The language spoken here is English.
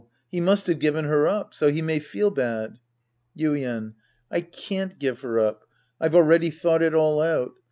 He must have given her up. So he may feel bad. Yuien. I can't give her up. I've already thought it all out.